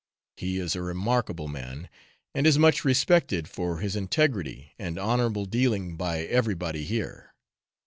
He is a remarkable man and is much respected for his integrity and honourable dealing by everybody here.